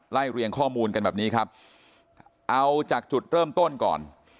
เรียงข้อมูลกันแบบนี้ครับเอาจากจุดเริ่มต้นก่อน